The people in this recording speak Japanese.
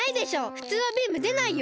ふつうはビームでないよ！